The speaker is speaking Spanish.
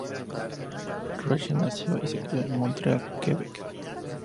Rachelle nació y se crio en Montreal, Quebec.